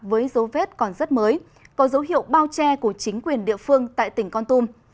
với dấu vết còn rất mới có dấu hiệu bao che của chính quyền địa phương tại tỉnh con tum